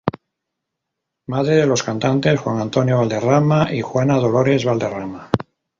Madre de los cantantes Juan Antonio Valderrama y Juana Dolores Valderrama.